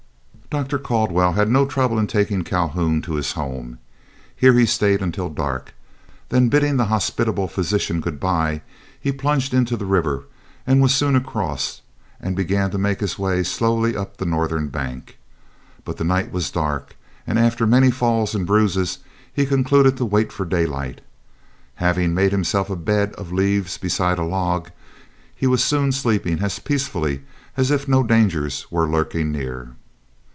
Dr. Caldwell had no trouble in taking Calhoun to his home. Here he stayed until dark, then bidding the hospitable physician good bye, he plunged into the river and was soon across, and began to make his way slowly up the northern bank. But the night was dark, and after many falls and bruises, he concluded to wait for daylight. Having made himself a bed of leaves beside a log, he was soon sleeping as peacefully as if no dangers were lurking near.